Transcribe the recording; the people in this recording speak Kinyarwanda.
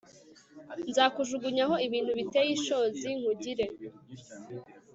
nzakujugunyaho ibintu biteye ishozi nkugire